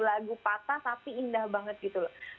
lagu patah tapi indah banget gitu loh